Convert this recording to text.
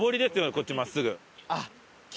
こっち真っすぐ。